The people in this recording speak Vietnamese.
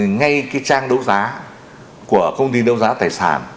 ngay cái trang đấu giá của công ty đấu giá tài sản